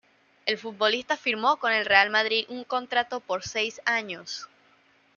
El futbolista firmó con el Real Madrid un contrato por seis años.